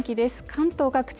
関東各地